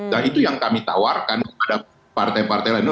nah itu yang kami tawarkan kepada partai partai lain